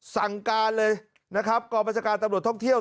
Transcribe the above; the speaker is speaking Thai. สั่งการเลยนะครับกองบัญชาการตำรวจท่องเที่ยว